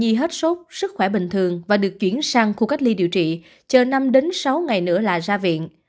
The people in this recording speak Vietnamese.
bệnh nhi hết sốt sức khỏe bình thường và được chuyển sang khu cách ly điều trị chờ năm sáu ngày nữa là ra viện